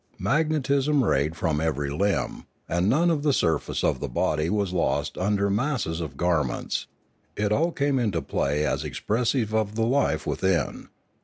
Mag netism rayed from every limb; and none of the surface of the body was lost under masses of garments; it all came into play as expressive of the life within.